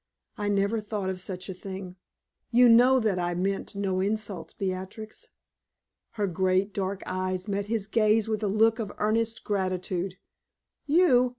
I never thought of such a thing. You know that I meant no insult, Beatrix?" Her great, dark eyes met his gaze with a look of earnest gratitude. "You?